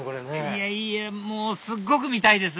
いやぁもうすっごく見たいです！